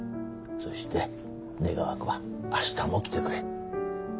そして願わくは「明日も来てくれ」。